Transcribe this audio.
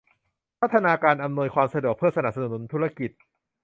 พัฒนาการอำนวยความสะดวกเพื่อสนับสนุนธุรกิจ